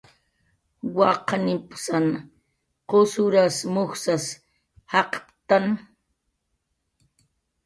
Wak qanimpsan qusuras mujsas jaqptktan